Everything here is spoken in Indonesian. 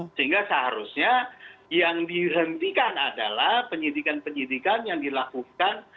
sehingga seharusnya yang dihentikan adalah penyidikan penyidikan yang dilakukan